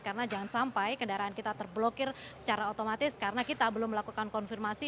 karena jangan sampai kendaraan kita terblokir secara otomatis karena kita belum melakukan konfirmasi